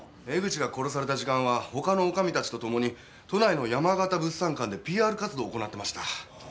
江口が殺された時間は他の女将たちとともに都内の山形物産館でＰＲ活動を行ってました。